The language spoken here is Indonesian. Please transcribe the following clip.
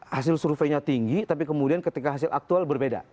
hasil surveinya tinggi tapi kemudian ketika hasil aktual berbeda